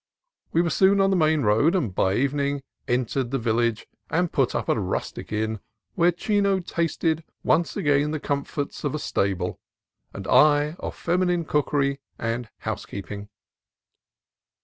We were soon on the main road, and by evening entered the village and put up at a rustic inn, where Chino tasted once again the comforts of a stable and I of feminine cookery and housekeeping.